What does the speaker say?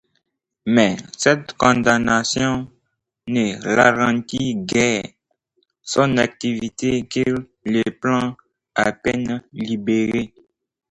Mais cette condamnation ne ralentit guère son activité, qu'il reprend, à peine libéré.